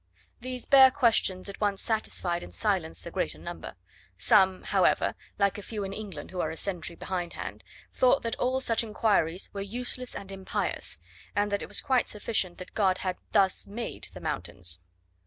These bare questions at once satisfied and silenced the greater number; some, however (like a few in England who are a century behindhand), thought that all such inquiries were useless and impious; and that it was quite sufficient that God had thus made the mountains.